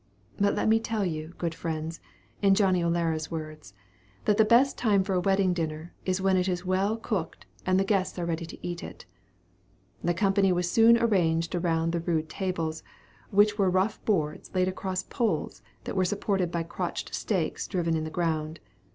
But let me tell you, good friends (in Johnny O'Lara's words), that "the best time for a wedding dinner, is when it is well cooked, and the guests are ready to eat it." The company were soon arranged around the rude tables, which were rough boards, laid across poles that were supported by crotched stakes driven into the ground.